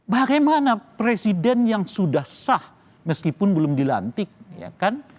bagaimana presiden yang sudah sah meskipun belum dilantik ya kan